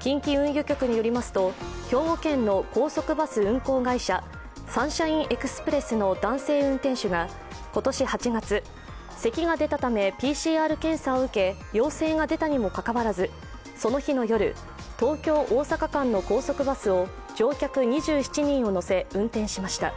近畿運輸局によりますと兵庫県の高速バス運行会社、サンシャインエクスプレスの男性運転手が今年８月、咳が出たため、ＰＣＲ検査を受け、陽性が出たにもかかわらずその日の夜、東京−大阪間の高速バスを乗客２７人を乗せ、運転しました。